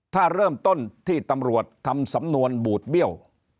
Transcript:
ถ้าเริ่มต้นที่ตำรวจทำสำนวนบูดเบี้ยว